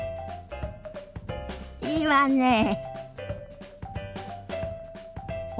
いいわね。